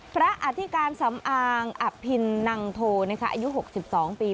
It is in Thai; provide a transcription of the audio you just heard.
พระอาทิการสำอางอัพพินังโทอายุ๖๒ปี